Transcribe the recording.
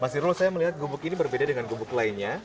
mas irul saya melihat gubuk ini berbeda dengan gubuk lainnya